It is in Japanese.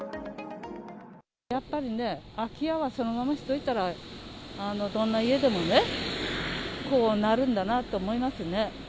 やっぱりね、空き家はそのままにしといたら、どんな家でもね、こうなるんだなと思いますね。